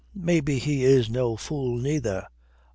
Maybe he is no fool, neither.